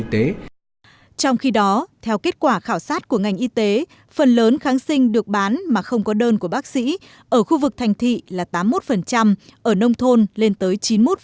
trong khi đó theo kết quả khảo sát của ngành y tế phần lớn kháng sinh được bán mà không có đơn của bác sĩ ở khu vực thành thị là tám mươi một ở nông thôn lên tới chín mươi một